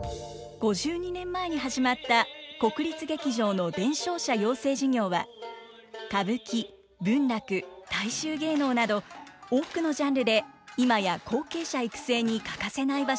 ５２年前に始まった国立劇場の伝承者養成事業は歌舞伎文楽大衆芸能など多くのジャンルで今や後継者育成に欠かせない場所となっています。